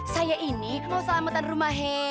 saya ini mau selamatan rumah hehehe